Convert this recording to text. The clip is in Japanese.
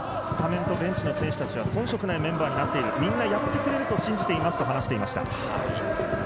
スタメンとベンチの選手は遜色ないメンバーになっている、みんなやってくれると信じていますと話していました。